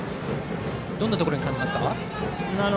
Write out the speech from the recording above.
どんなところに感じますか？